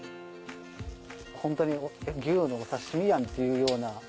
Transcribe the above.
ホントに牛のお刺身やんっていうような。